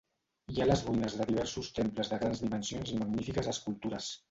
Hi ha les ruïnes de diversos temples de grans dimensions i magnifiques escultures.